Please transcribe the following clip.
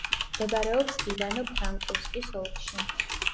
მდებარეობს ივანო-ფრანკოვსკის ოლქში.